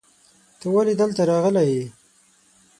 ته ولې دلته راغلی یې؟